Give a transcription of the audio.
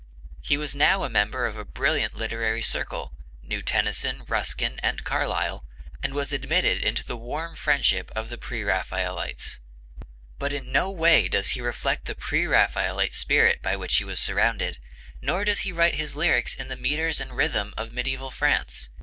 He was now a member of a brilliant literary circle, knew Tennyson, Ruskin, and Carlyle, and was admitted into the warm friendship of the Pre Raphaelites. But in no way does he reflect the Pre Raphaelite spirit by which he was surrounded; nor does he write his lyrics in the metres and rhythms of mediaeval France.